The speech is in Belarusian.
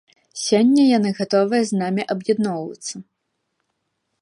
Сёння яны гатовыя з намі аб'ядноўвацца.